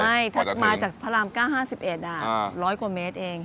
ไม่มาจากพระรามก้าว๕๑อะร้อยกว่าเมตรเอง